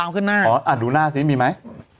อ่าดูหน้าสิมีมั้ย